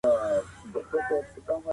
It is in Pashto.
هغه پر لاره روان و چي ما ولید.